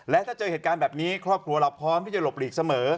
และถ้าเจอเหตุการณ์แบบนี้ครอบครัวเราพร้อมที่จะหลบหลีกเสมอ